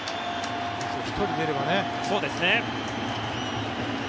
１人出ればね。